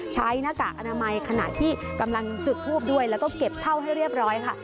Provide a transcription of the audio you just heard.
หน้ากากอนามัยขณะที่กำลังจุดทูบด้วยแล้วก็เก็บเท่าให้เรียบร้อยค่ะ